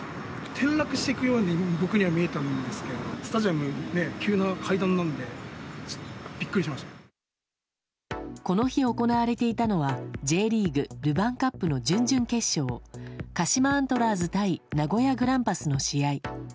転落していくように、僕には見えたもんですから、スタジアム、急な階段なんで、この日行われていたのは、Ｊリーグ、ルヴァンカップの準々決勝、鹿島アントラーズ対名古屋グランパスの試合。